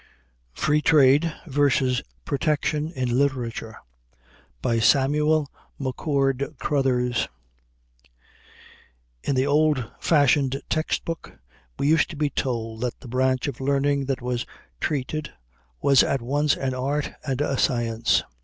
] FREE TRADE VS. PROTECTION IN LITERATURE SAMUEL MCCHORD CROTHERS In the old fashioned text book we used to be told that the branch of learning that was treated was at once an art and a science.